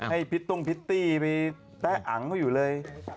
พิตตุ้งพิตตี้ไปแตะอังเขาอยู่เลย